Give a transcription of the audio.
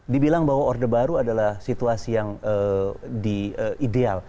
dibilang bahwa orde baru adalah situasi yang ideal